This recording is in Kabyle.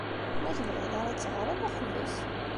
Ma ur tebɣiḍ ara ad teɣṛeḍ, ḥbes.